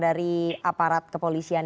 dari aparat kepolisian